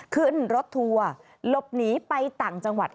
ขึ้นรถทัวร์หลบหนีไปต่างจังหวัด